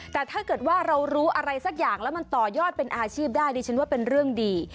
แต่ถ้าเกิดว่าเรารู้อะไรสักอย่างแล้วมันต่อยอดเป็นอาชีพได้ดิฉันว่าเป็นเรื่องดี